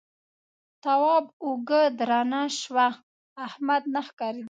تواب اوږه درنه شوه احمد نه ښکارېده.